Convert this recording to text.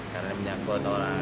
karena menyangkut orang